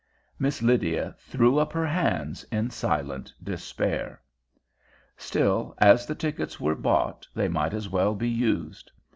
Miss Lydia threw up her hands in silent despair. Still, as the tickets were bought, they might as well be used.